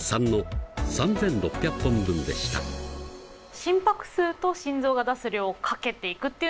心拍数と心臓が出す量を掛けていくっていうのは正しい考え方。